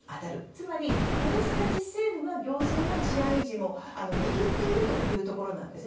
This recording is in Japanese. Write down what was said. つまりパレスチナ自治政府は行政も治安維持も握っているというところです。